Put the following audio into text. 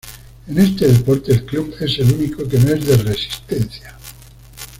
En este deporte el Club es el único que no es de Resistencia.